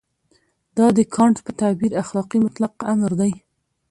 دا د کانټ په تعبیر اخلاقي مطلق امر دی.